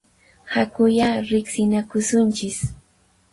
Hakuyá riqsinakusunchis!